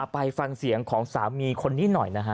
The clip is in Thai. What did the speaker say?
ไปฟังเสียงของสามีคนนี้หน่อยนะฮะ